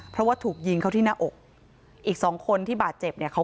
เพราะว่าถูกยิงเขาที่หน้าอกอีกสองคนที่บาดเจ็บเนี่ยเขา